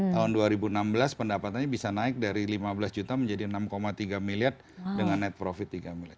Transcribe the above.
tahun dua ribu enam belas pendapatannya bisa naik dari lima belas juta menjadi enam tiga miliar dengan net profit tiga miliar